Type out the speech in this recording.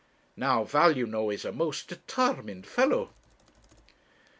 Now Val, you know, is a most determined fellow.